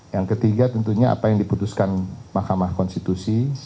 yang ketiga tentunya apa yang diputuskan mahkamah konstitusi